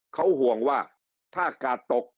เขาห่วงว่าถ้ากาดตก